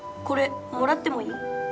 これもらってもいい？